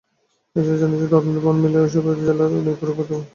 একটি সূত্র জানিয়েছে, তদন্তে প্রমাণ মিললে ওইসব জেলার নিয়োগ পরীক্ষা বাতিল করা হবে।